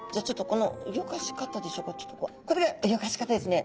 これがうギョかし方ですね。